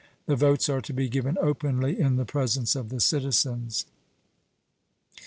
The votes are to be given openly in the presence of the citizens.